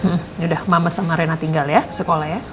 ini udah mama sama rena tinggal ya sekolah ya